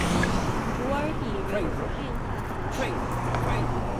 古尔比人口变化图示